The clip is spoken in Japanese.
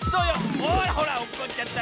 ほらほらおっこっちゃった。